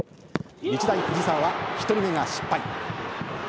日大藤沢は１人目が失敗。